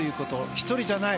１人じゃない。